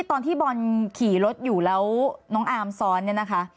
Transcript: ตอนที่บอลขี่รถอยู่แล้วน้องอาร์มซ้อนเนี่ยนะคะ